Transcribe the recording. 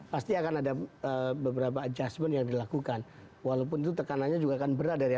pasti akan ada beberapa adjustment yang dilakukan walaupun itu tekanannya juga akan berat dari